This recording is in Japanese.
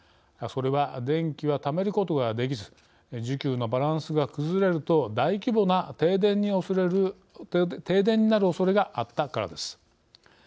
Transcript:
それは電気はためることができず需給のバランスが崩れると大規模な停電になるおそれがあったからです。